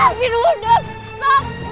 sekarang ngebut sekarang ngebut